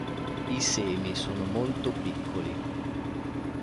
I semi sono molto piccoli.